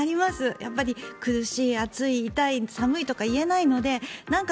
やっぱり苦しい、暑い、痛い、寒いとか言えないのでなんか